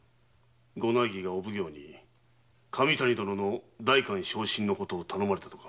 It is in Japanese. ご内儀がお奉行に神谷殿の代官昇進を頼まれたとか。